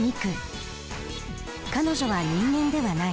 彼女は人間ではない。